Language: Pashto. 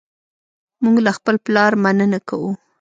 موږ له خپل پلار مننه کوو.